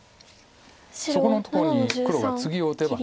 そこのとこに黒がツギを打てば。